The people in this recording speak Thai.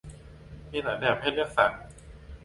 มีหลายแบบให้เลือกสรร